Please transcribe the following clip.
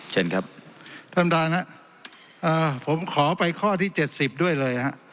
เชิญครับท่านประธานฮะเอ่อผมขอไปข้อที่เจ็ดสิบด้วยเลยฮะ